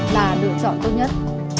là lựa chọn tốt nhất